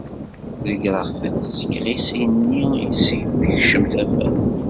Ḍegreɣ tiṭ seg yiɣisi-nni iseg d-tkeccem tafat.